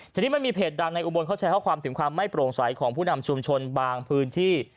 ทีนี้มันมีเพจดังในอุบลเขาแชร์ข้อความถึงความไม่โปร่งใสของผู้นำชุมชนบางพื้นที่